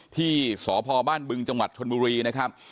ที่สพบ้านบึงจังหวัดชนบุรีนะครับ